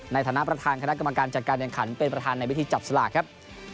ในฐานะประธานคณะกรรมการจัดการแข่งขันเป็นประธานในวิธีจับสลากครับ